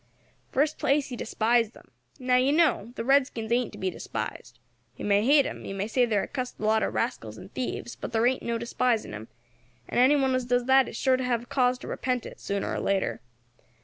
"First place, he despised them. Now, you know, the redskins ain't to be despised. You may hate them, you may say they are a cussed lot of rascals and thieves, but there ain't no despising them, and any one as does that is sure to have cause to repent it, sooner or later.